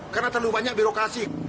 karena terlalu banyak birokrasi